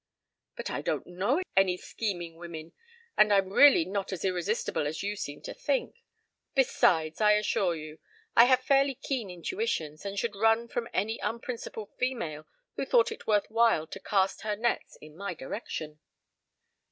"But I don't know any scheming women and I'm really not as irresistible as you seem to think. Besides, I assure you, I have fairly keen intuitions and should run from any unprincipled female who thought it worth while to cast her nets in my direction."